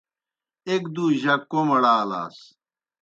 ایْک دُوْ جک کوْمڑ آلاس۔